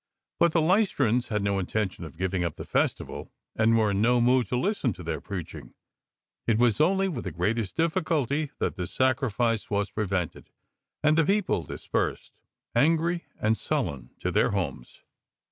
But the Lystrans had no intention of giving up the festival, and were in no mood to listen to their preaching. It was only with the greatest difficulty that the sacrifice w'as pre vented, and the people dispersed, angr3^ and sullen, to their homes.